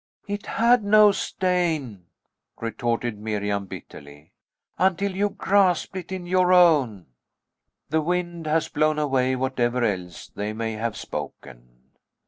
"It had no stain," retorted Miriam bitterly, "until you grasped it in your own." The wind has blown away whatever else they may have spoken.